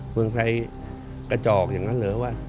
เมืองไทยกระจอกอย่างนั้นเหรอวะ